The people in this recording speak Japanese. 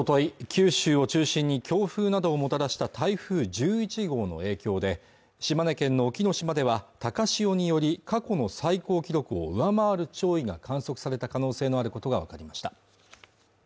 九州を中心に強風などをもたらした台風１１号の影響で島根県の隠岐の島では高潮により過去の最高記録を上回る潮位が観測された可能性のあることが分かりました